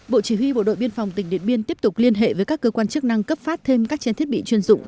bộ chủ yên phòng tỉnh điện biên tiếp tục liên hệ với các cơ quan chức năng cấp phát thêm các chén thiết bị chuyên dụng